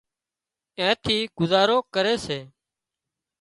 اين ٿي گذارو ڪري سي